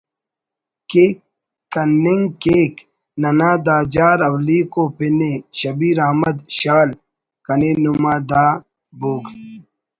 کے کننگ کیک ننا دا جار اولیکو پنءِ: شبیر احمد (شال) ٭کنے نما دا ’بوگ